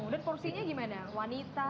dan porsinya gimana wanita pria